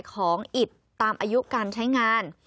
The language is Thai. ของอิดตามอายุการใช้งาน